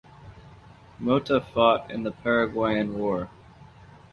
Mota fought in the Paraguayan War.